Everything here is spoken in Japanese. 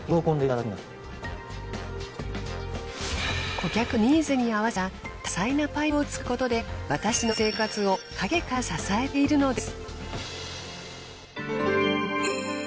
顧客のニーズに合わせた多彩なパイプを作ることで私たちの生活を陰から支えているのです。